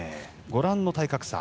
ご覧の体格差。